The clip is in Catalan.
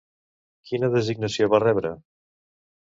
Quina designació va rebre?